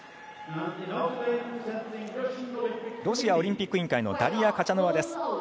ロシアオリンピック委員会のダリア・カチャノワです。